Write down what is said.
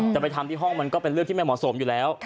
จะไปทำที่ห้องมันก็เป็นเรื่องที่ไม่เหมาะสมอยู่แล้ว